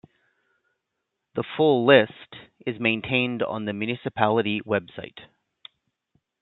The full list is maintained on the municipality web site.